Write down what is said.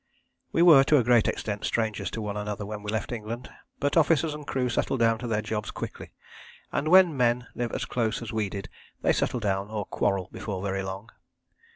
We were to a great extent strangers to one another when we left England, but officers and crew settled down to their jobs quickly, and when men live as close as we did they settle down or quarrel before very long.